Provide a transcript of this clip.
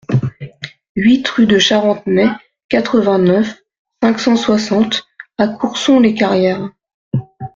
huit rue de Charentenay, quatre-vingt-neuf, cinq cent soixante à Courson-les-Carrières